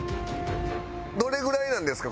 どれぐらいなんですか？